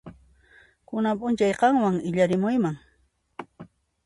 Kunan p'unchay qanwan illarimuyman.